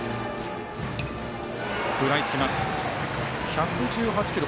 １１８キロ。